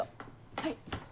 はい。